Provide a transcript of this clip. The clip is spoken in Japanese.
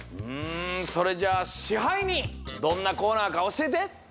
うんそれじゃあ支配人どんなコーナーかおしえて！